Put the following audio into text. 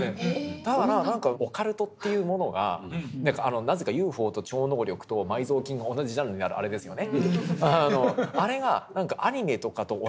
だから何かオカルトというものがなぜかＵＦＯと超能力と埋蔵金が同じジャンルにあるあれですよね。